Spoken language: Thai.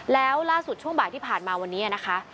แล้วล่าสุดช่วงบ่ายที่ผ่านมาวันนี้นะคะ